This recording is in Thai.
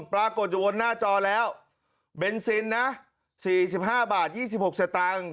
ปรากฏอยู่บนหน้าจอแล้วเบนซินนะสี่สิบห้าบาทยี่สิบหกสตางค์